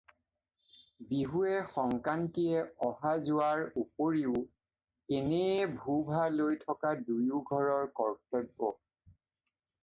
বিহুৱে-সংক্ৰান্তিয়ে অহা-যোৱাৰ উপৰিও এনেয়ে ভু-ভা লৈ থকা দুয়ো ঘৰৰ কৰ্ত্তব্য।